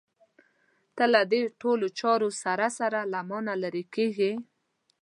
ته له دې ټولو چارو سره سره له مانه لرې کېږې.